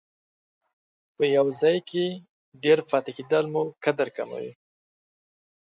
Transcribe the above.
په یو ځای کې ډېر پاتې کېدل مو قدر کموي.